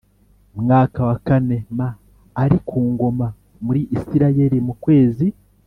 mwaka wa kane m ari ku ngoma muri Isirayeli mu kwezi